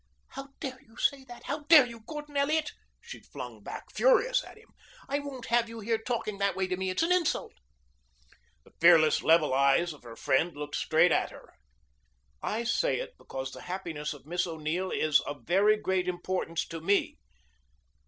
"How dare you say that! How dare you, Gordon Elliot!" she flung back, furious at him. "I won't have you here talking that way to me. It's an insult." The fearless, level eyes of her friend looked straight at her. "I say it because the happiness of Miss O'Neill is of very great importance to me."